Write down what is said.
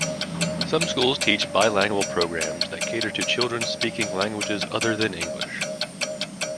Some schools teach bilingual programs that cater to children speaking languages other than English.